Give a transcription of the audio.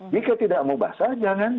jika tidak mau basah jangan